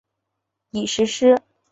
已实施。